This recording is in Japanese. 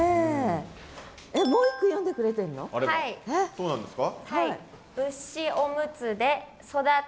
そうなんですか。